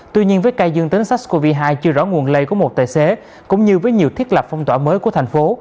tuy nhiên với ca dương tính sars cov hai chưa rõ nguồn lây của một tài xế cũng như với nhiều thiết lập phong tỏa mới của thành phố